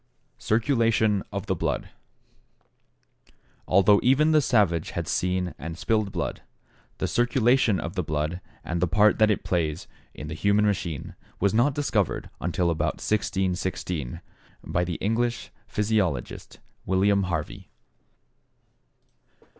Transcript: =Circulation of the Blood.= Although even the savage had seen and spilled blood, the circulation of the blood, and the part that it plays in the human machine, was not discovered until about 1616, by the English physiologist, William Harvey.